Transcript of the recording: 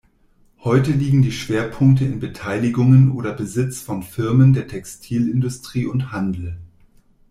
Heute liegen die Schwerpunkte in Beteiligungen oder Besitz von Firmen der Textilindustrie und Handel.